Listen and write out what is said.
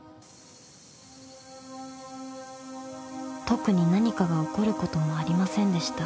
［特に何かが起こることもありませんでした］